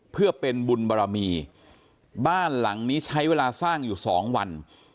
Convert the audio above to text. เพื่อเป็นบุญบารมีบ้านหลังนี้ใช้เวลาสร้างอยู่สองวัน